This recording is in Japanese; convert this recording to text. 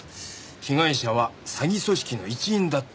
「被害者は詐欺組織の一員だった。